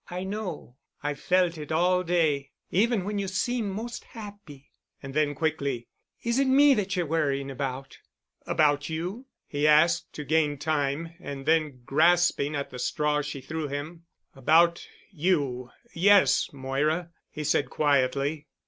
"I know. I've felt it all day—even when you seemed most happy." And then quickly, "Is it me that you're worrying about?" "About you?" he asked to gain time, and then, grasping at the straw she threw him, "about—you—yes—Moira," he said quietly.